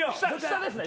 下ですね？